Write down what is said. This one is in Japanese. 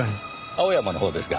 青山のほうですが。